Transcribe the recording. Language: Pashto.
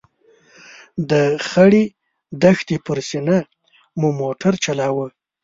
د خړې دښتې پر سینه مو موټر چلاوه.